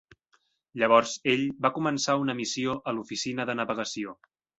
Llavors ell va començar una missió a l'Oficina de Navegació.